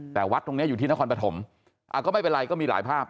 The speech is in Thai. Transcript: แต่วัดตรงนี้อยู่ที่นครปฐมก็ไม่เป็นไรก็มีหลายภาพ